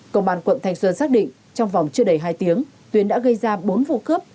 công an quận thanh xuân xác định trong vòng chưa đầy hai tiếng tuyến đã gây ra bốn vụ cướp